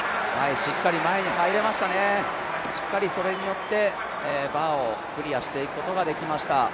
しっかり前に入れましたね、しっかりそれによってバーをクリアしていくことができました。